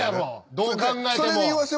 どう考えても。